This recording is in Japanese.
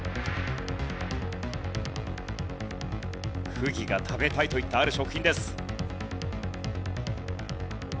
溥儀が食べたいと言ったある食品です。